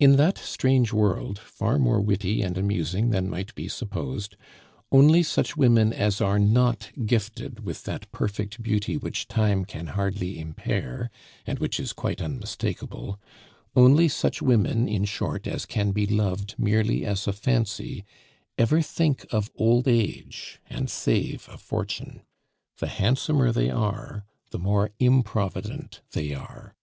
In that strange world, far more witty and amusing than might be supposed, only such women as are not gifted with that perfect beauty which time can hardly impair, and which is quite unmistakable only such women, in short, as can be loved merely as a fancy, ever think of old age and save a fortune. The handsomer they are, the more improvident they are.